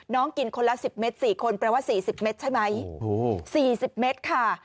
น้องกินคนละสิบเมตรสี่คนแปลว่าสี่สิบเมตรใช่ไหมโอ้โหสี่สิบเมตรค่ะ